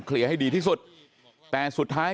เคลียร์ให้ดีที่สุดแต่สุดท้าย